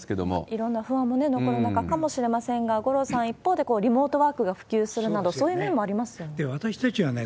いろんな不安も残るかもしれませんが、五郎さん、一方でリモートワークが普及するなど、そういう面もあ私たちはね、